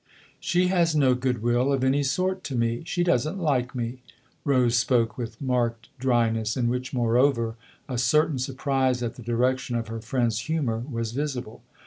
" She has no goodwill of any sort to me. She doesn't like me." Rose spoke with marked dryness, in which moreover a certain surprise at the direction of her friend's humour was visible.